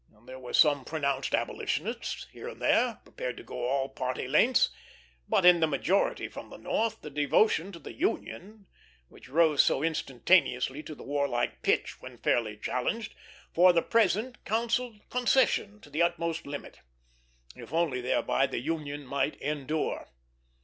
There were some pronounced abolitionists, here and there, prepared to go all party lengths; but in the majority from the North, the devotion to the Union, which rose so instantaneously to the warlike pitch when fairly challenged, for the present counselled concession to the utmost limit, if only thereby the Union might endure.